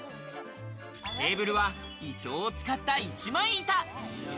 テーブルは、イチョウを使った一枚板。